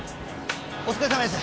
お疲れさまです。